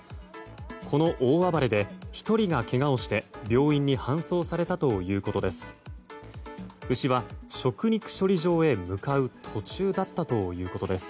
この大暴れで１人がけがをして病院に搬送されたということです。